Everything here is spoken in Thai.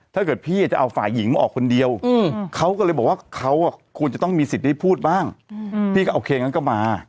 ถ้าเกิดพี่จะเอาฝ่ายหญิงมาออกคนเดียวเขาก็เลยบอกว่าเขาควรจะต้องมีสิทธิ์ได้พูดบ้างพี่ก็โอเคงั้นก็มา